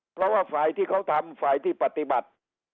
เพราะว่าฝ่ายที่เขาทำฝ่ายที่ปฏิบัติ